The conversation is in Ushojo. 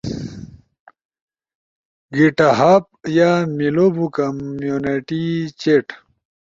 گٹ ہب یا میلو بو کمینونیٹی چیٹ۔